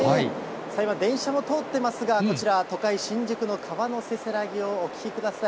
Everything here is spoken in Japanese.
今、電車も通っていますが、こちら、都会、新宿の川のせせらぎをお聞きください。